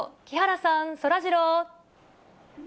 木原さん、そらジロー。